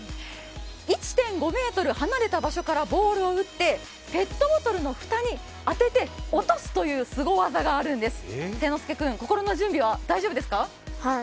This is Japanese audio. １．５ｍ離れた場所からボールを打ってペットボトルの蓋に当てて落とすというすご技があるんです、誠ノ介君、心の準備は大丈夫ですか？